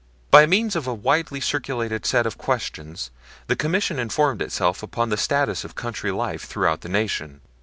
By means of a widely circulated set of questions the Commission informed itself upon the status of country life throughout the Nation.